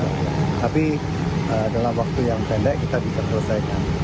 tapi dalam waktu yang pendek kita bisa selesaikan